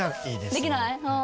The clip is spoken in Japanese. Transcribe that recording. できない？